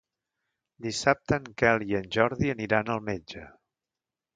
Dissabte en Quel i en Jordi aniran al metge.